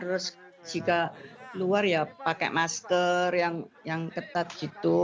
terus jika luar ya pakai masker yang ketat gitu